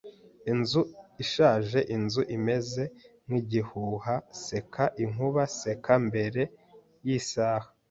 inzu ishaje inzu imeze nkigihuha. Seka, inkuba, seka! Mbere y'isaha